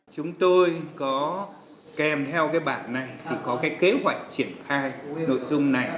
chúng tôi có kèm theo cái bản này thì có cái kế hoạch triển khai cái nội dung này